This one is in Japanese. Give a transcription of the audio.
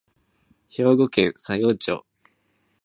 兵庫県佐用町